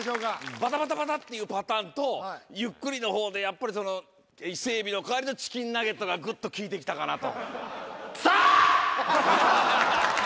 バタバタバタっていうパターンとゆっくりのほうでやっぱり伊勢エビの代わりのチキンナゲットがグッと効いてきたかなと。